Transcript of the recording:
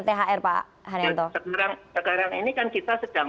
mengicil ataupun menunda pembayaran thr pak haryanto sekarang sekarang ini kan kita sedang